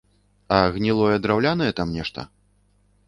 А, гнілое драўлянае там нешта?